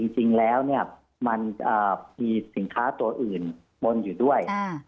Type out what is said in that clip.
จริงแล้วมันมีสินค้าตัวอื่นปนอยู่ด้วย